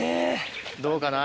どうかな？